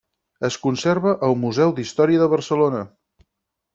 Es conserva al Museu d'Història de Barcelona.